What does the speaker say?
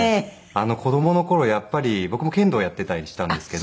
子供の頃やっぱり僕も剣道やっていたりしたんですけど。